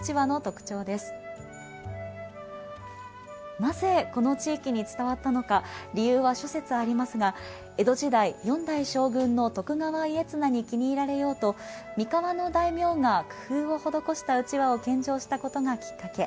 なぜこの地域に伝わったのか理由は諸説ありますが江戸時代四代将軍の徳川家綱に気に入られようと三河の大名が工夫を施したうちわを献上したことがきっかけ。